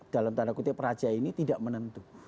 dalam tanda kutip raja ini tidak menentu